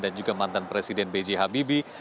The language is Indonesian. dan juga mantan presiden b j habibie